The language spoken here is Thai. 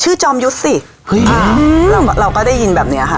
จอมยุทธ์สิเฮ้ยเราก็ได้ยินแบบเนี้ยค่ะ